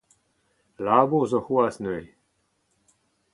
Labour zo c'hoazh neuze.